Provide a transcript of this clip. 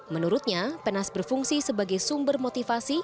menurutnya penas berfungsi sebagai sumber motivasi